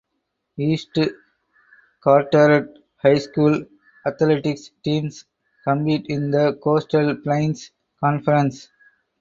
East Carteret High School athletics teams compete in the Coastal Plains Conference.